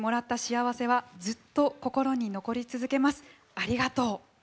ありがとう！」。